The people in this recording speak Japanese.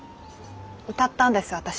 歌ったんです私。